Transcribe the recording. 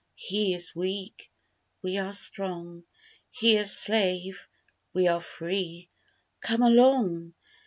He is weak! we are strong; he a slave, we are free; Come along!